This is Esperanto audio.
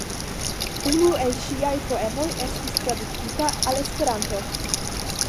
Unu el ŝiaj poemoj estis tradukita al Esperanto.